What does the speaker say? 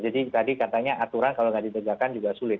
jadi tadi katanya aturan kalau nggak ditegakkan juga sulit